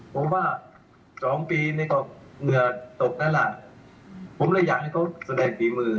ผมว่าสองปีนี่ก็เหงื่อตกแล้วล่ะผมเลยอยากให้เขาแสดงฝีมือ